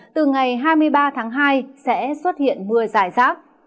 từ ngày hai mươi ba tháng hai sẽ xuất hiện mưa rải rác